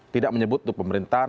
tidak menyebut untuk pemerintahan